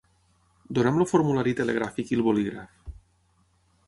Dona'm el formulari telegràfic i el bolígraf.